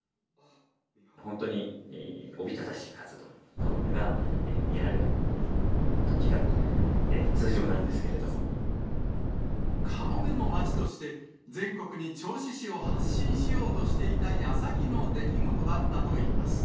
本当におびただしい数のカモメが見られるのが通常なんですけカモメの町として、全国に銚子市を発信しようとしていたやさきの出来事だったといいます。